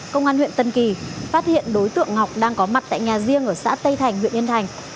công an huyện tân kỳ phát hiện đối tượng ngọc đang có mặt tại nhà riêng ở xã tây thành huyện yên thành